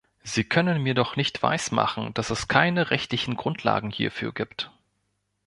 Sie können mir doch nicht weismachen, dass es keine rechtlichen Grundlagen hierfür gibt!